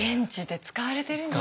使われてるんですよ。